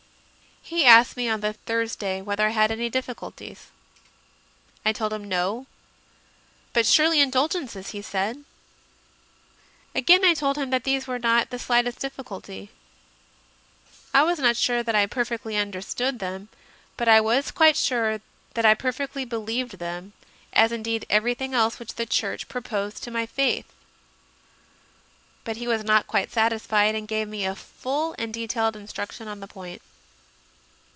He asked CONFESSIONS OF A CONVERT 131 me on the Thursday whether I had any difficulties. I told him "No." "But, surely, indulgences!" he said. Again I told him that these were not the slightest difficulty. I was not sure that I perfectly understood them, but I was quite sure that I per fectly believed them, as indeed everything else which the Church proposed to my faith. But he was not quite satisfied, and gave me a full and detailed instruction on the point.